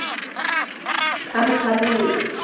该岛使用普卡普卡语。